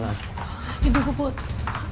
biar orang sekambung tau semuanya ya